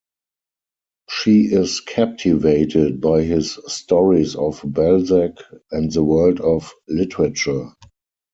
She is captivated by his stories of Balzac and the world of literature.